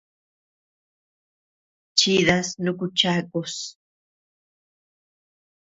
Chidas nuku chakus.